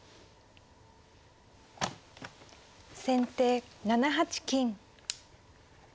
先手７八金。